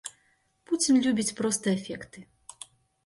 Пуцін любіць проста эфекты.